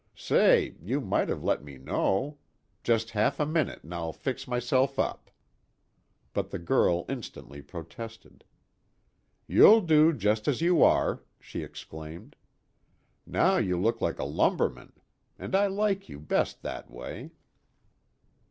"Say, you might have let me know. Just half a minute and I'll fix myself up." But the girl instantly protested. "You'll do just as you are," she exclaimed. "Now you look like a lumberman. And I like you best that way."